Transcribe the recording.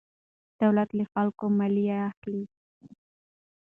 دولت له خلکو مالیه اخلي.